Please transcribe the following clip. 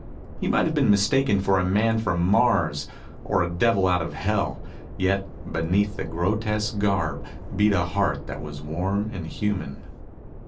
He might have been mistaken for a man from Mars or a devil out of Hell, yet beneath the grotesque garb beat a heart that was warm and human.